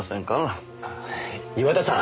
岩田さん。